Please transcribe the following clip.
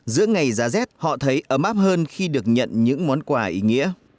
giữa ngày giá rét họ thấy ấm áp hơn khi được nhận những món quà ý nghĩa